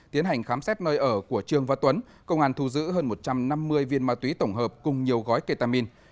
tiến hành khám xét nơi ở của trương và tuấn công an thu giữ hơn một trăm năm mươi viên ma túy tổng hợp cùng nhiều gói ketamin